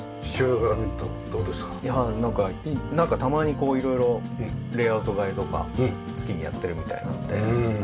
いやなんかたまにこう色々レイアウト変えとか好きにやってるみたいなので。